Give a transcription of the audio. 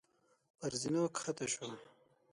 پر زينو کښته شو.